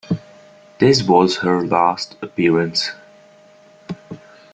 This was her last appearance.